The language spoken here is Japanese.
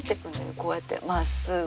こうやってまっすぐ。